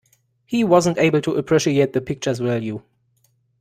He wasn't able to appreciate the picture’s value.